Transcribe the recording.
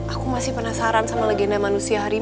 aku masih penasaran sama legenda manusia harimau